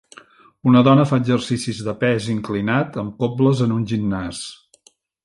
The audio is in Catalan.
Una dona fa exercicis de pes inclinat amb cobles en un gimnàs.